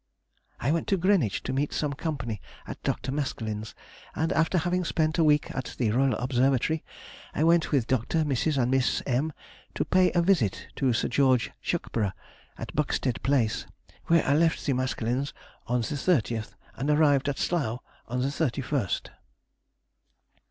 _—I went to Greenwich to meet some company at Dr. Maskelyne's, and after having spent a week at the R. Observatory, I went with Dr., Mrs., and Miss M. to pay a visit to Sir George Schuckburgh, at Buxted Place, where I left the Ms. on the 30th, and arrived at Slough the 31st.